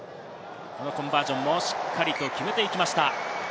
コンバージョンもしっかり決めていきました。